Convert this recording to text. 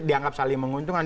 dianggap saling menguntungkan